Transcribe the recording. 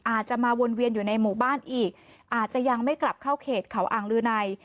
อาจจะมาวนเวียนอยู่ในหมู่บ้านอีกอาจจะยังไม่กลับเข้าเขตเขาอ่างลือใน